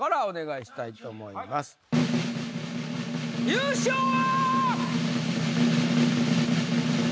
優勝は！